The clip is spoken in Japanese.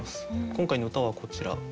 今回の歌はこちら。